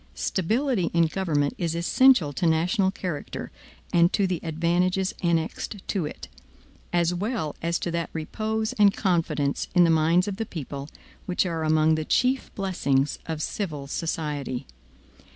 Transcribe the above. Stability in government is essential to national character and to the advantages annexed to it, as well as to that repose and confidence in the minds of the people, which are among the chief blessings of civil society.